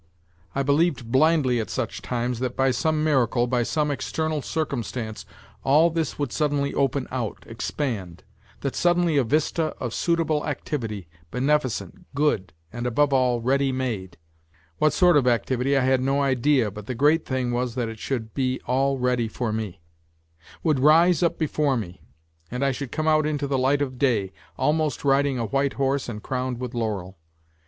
I believed blindly at such times that by some miracle, by some external circumstance, all this would suddenly open out, expand; that suddenly a vista of suitable activity beneficent, good, and, above all, ready made (what sort of activity I had no idea, but the great thing was that it should be all ready for me) would rise up before me and I should come out into the light of day, almost riding a white horse and crowned with laurel.